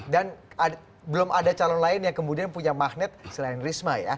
dan belum ada calon lain yang kemudian punya magnet selain risma ya